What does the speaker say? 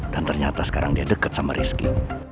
dan ternyata sekarang dia deket sama rizky